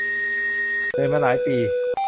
เหนื่อยมาหลายปี